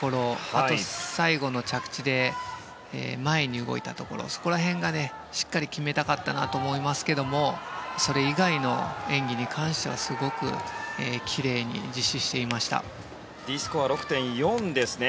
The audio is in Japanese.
あと、最後の着地で前に動いたところそこら辺がしっかり決めたかったなと思いますがそれ以外の演技に関してはすごく奇麗にＤスコア、６．４ですね。